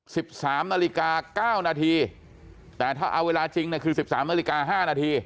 สิบสามนาฬิกาเก้านาทีแต่ถ้าเอาเวลาจริงเนี่ยคือสิบสามนาฬิกาห้านาที